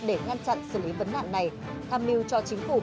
để ngăn chặn xử lý vấn nạn này tham mưu cho chính phủ